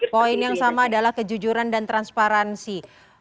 poin yang sama adalah kejujuran dan transparansi